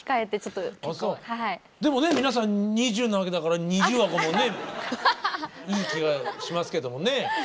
でもね皆さんＮｉｚｉｕなわけだから二重あごもねいい気がしますけどもね。